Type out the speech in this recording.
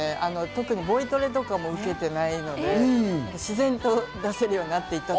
特にボイトレも受けてないし、自然と出せるようになっていました。